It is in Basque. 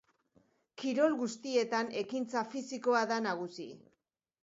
Kirol guztietan ekintza fisikoa da nagusi.